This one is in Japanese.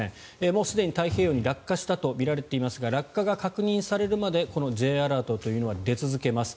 もうすでに太平洋に落下したとみられていますが落下が確認されるまでこのＪアラートは出続けます。